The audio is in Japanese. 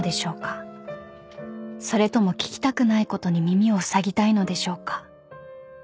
［それとも聞きたくないことに耳をふさぎたいのでしょうか？］